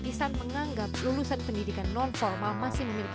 bisa menganggap lulusan pendidikan non formal masih menanggung kemampuan teknologi